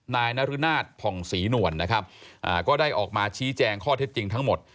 นายนรุนาศผ่องศรีนวลนะครับก็ได้ออกมาชี้แจงข้อเท็จจริงทั้งหมด